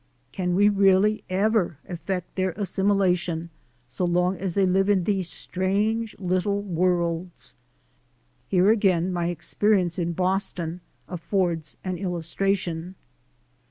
Can we really ever effect their as similation so long as they live in these strange little 254 THE SOUL OF AN IMMIGRANT worlds ? Here again my experience in Boston affords an illustration.